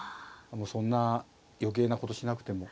そんな余計なことしなくても。